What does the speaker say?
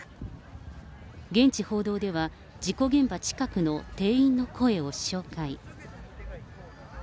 現地報道では、事故現場近くの店員の声を紹介。